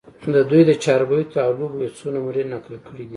د دوي د چاربېتواو لوبو يو څو نمونې نقل کړي دي